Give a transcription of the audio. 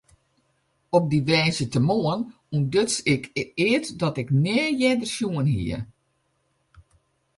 Op dy woansdeitemoarn ûntduts ik eat dat ik nea earder sjoen hie.